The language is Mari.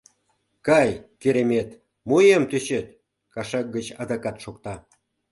— Кай, керемет, мо иям тӧчет? — кашак гыч адакат шокта.